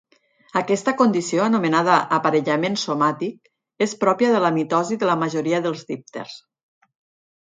Aquesta condició, anomenada aparellament somàtic és pròpia de la mitosi de la majoria dels dípters.